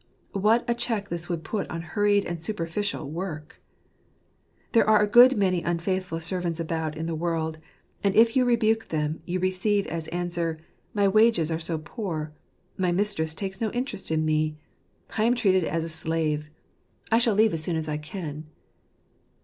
What a check this would put on hurried and superficial work ! There are a good many unfaithful servants about in the world ; and if you rebuke them, you receive as answer, " My wages are so poor " My mistress takes no interest in me "; "I am treated as a slave " j "I shall leave as " Sfethmy fire Qtttb" 125 soon as I can."